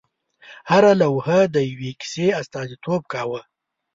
هره لوحه د یوې کیسې استازیتوب کاوه.